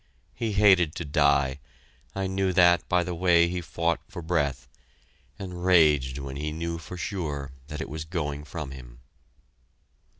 He hated to die I knew that by the way he fought for breath, and raged when he knew for sure that it was going from him.